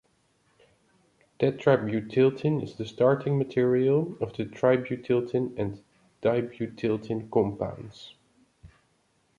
Tetrabutyltin is the starting material of the tributyltin and dibutyltin compounds.